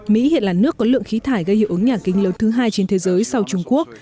mỹ hiện là nước có lượng khí thải gây hiệu ứng nhà kính lớn thứ hai trên thế giới sau trung quốc